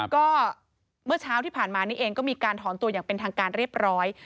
ก็เมื่อเช้าที่ผ่านมานี่เองก็มีการถอนตัวอย่างเป็นทางการเรียบร้อย